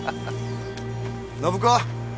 暢子！